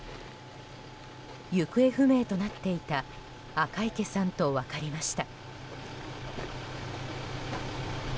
行方不明となっていた赤池さんと分かりました。